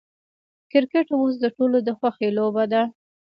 کرکټ اوس د ټولو د خوښې لوبه ده.